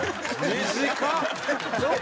短っ！